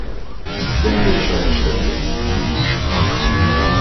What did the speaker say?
Gyengén savas vegyület.